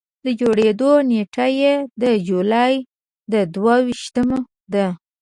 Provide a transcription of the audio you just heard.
د جوړېدو نېټه یې د جولایي د دوه ویشتمه ده.